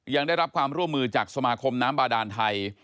ยังได้รับความร่วมมือจากสมาคมน้ำบาดานไทย